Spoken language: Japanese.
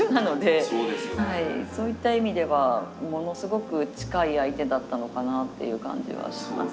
そういった意味ではものすごく近い相手だったのかなっていう感じはします。